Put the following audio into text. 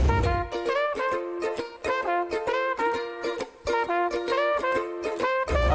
อืม